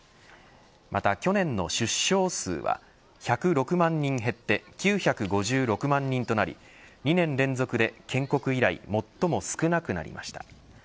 また、去年の出生数は１０６万人減って９５６万人となり２年連続で建国以来最も少なくなりました。